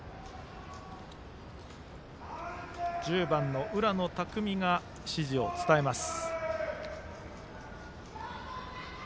１０番、浦野拓実が指示を伝えます。